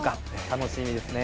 楽しみですね。